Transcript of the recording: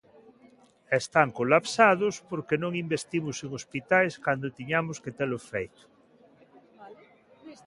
Están colapsados porque non investimos en hospitais cando tiñamos que telo feito.